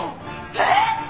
えっ！？